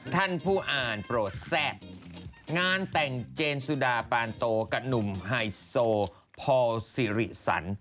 ท่านผู้อ่านโปรดแซ่บงานแต่งเจนสุดาปานโตกับหนุ่มไฮโซพอสิริสัน